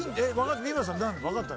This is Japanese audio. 三村さん分かった？